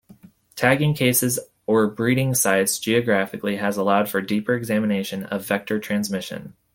Tagging cases or breeding sites geographically has allowed for deeper examination of vector transmission.